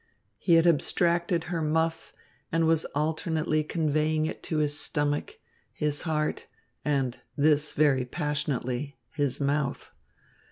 He had abstracted her muff and was alternately conveying it to his stomach, his heart, and this very passionately his mouth.